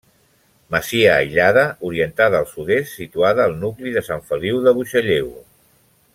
Masia aïllada, orientada al sud-est, situada al nucli de Sant Feliu de Buixalleu.